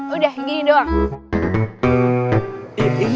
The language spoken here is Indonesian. udah gini doang